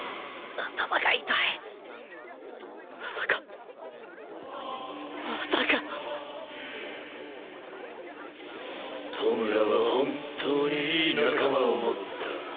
頭が痛いまさかまさか弔は本当に良い仲間を持った。